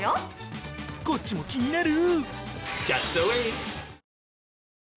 こっちも気になる！